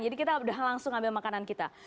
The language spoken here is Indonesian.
jadi kita udah langsung ambil makanan kita